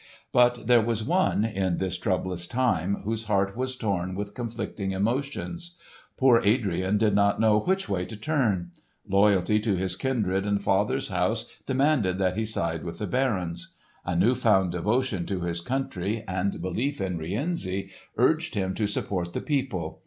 But there was one, in this troublous time, whose heart was torn with conflicting emotions. Poor Adrian did not know which way to turn. Loyalty to his kindred and father's house demanded that he side with the barons. A new found devotion to his country and belief in Rienzi urged him to support the people.